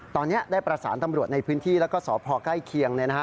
ตอนนี้ได้ประสานธรรมบริวัติในพื้นที่แล้วก็สอบพ่อใกล้เคียง